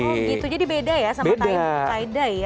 oh gitu jadi beda ya sama taidai ya